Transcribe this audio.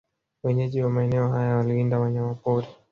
Wenyeji wa maeneo haya waliwinda wanyama pori